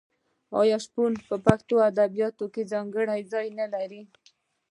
آیا شپون په پښتو ادبیاتو کې ځانګړی ځای نلري؟